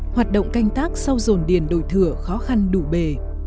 hoạt động canh tác sau dồn điền đổi thừa khó khăn đủ bề